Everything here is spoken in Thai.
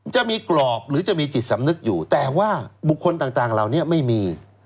จะมีกรอบหรือจะมีจิตสำนึกอยู่แต่ว่าบุคคลต่างเหล่านี้ไม่มี